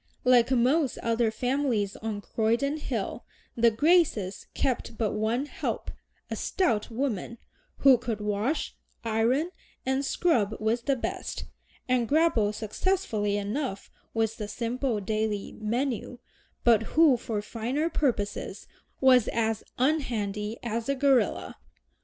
Like most other families on Croydon Hill, the Graces kept but one "help," a stout woman, who could wash, iron, and scrub with the best, and grapple successfully enough with the simple daily menu, but who for finer purposes was as "unhandy" as a gorilla.